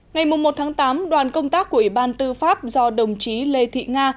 ngày một tám đoàn công tác của ủy ban tư pháp do đồng chí lê thị nga